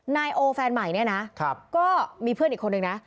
นายโอแฟนใหม่ก็มีเพื่อนอีกคนหนึ่งนะ